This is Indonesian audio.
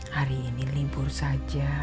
hari ini libur saja